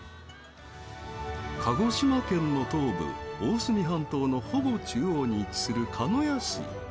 鹿児島県の東部、大隅半島のほぼ中央に位置する鹿屋市。